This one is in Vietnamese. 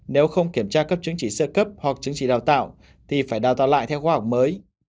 nếu không kiểm tra cấp chứng chỉ sơ cấp hoặc chứng chỉ đào tạo thì phải đào tạo lại theo khoa học mới